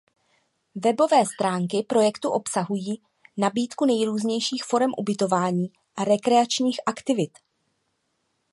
Webové stránky projektu obsahují nabídku nejrůznější forem ubytování a rekreačních aktivit.